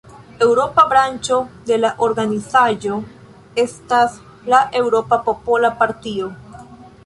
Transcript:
Eŭropa branĉo de la organizaĵo estas la Eŭropa Popola Partio.